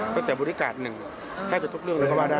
ตั้งแต่บริกาศหนึ่งแค่กับทุกเรื่องถูกว่าได้